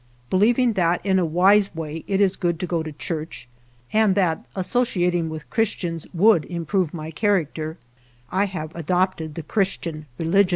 Believing that in a wise way it is good to go to church, and that associating with Christians would improve my character, I have adopted the Christian religion.